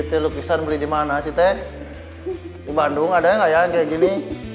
itu lukisan beli di mana sih teh di bandung ada yang kayak gini